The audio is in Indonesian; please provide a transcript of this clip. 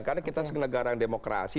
karena kita sebuah negara yang demokrasi